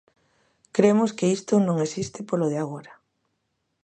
Cremos que isto non existe polo de agora.